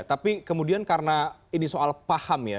tapi kemudian karena ini soal paham ya